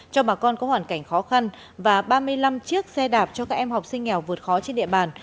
cho bà con có hoàn cảnh khó khăn và ba mươi năm chiếc xe đạp cho các em học sinh nghèo vượt khó trên địa bàn